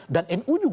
dan nu juga